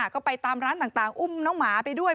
ก็ไปตามร้านต่างอุ้มน้องหมาไปด้วย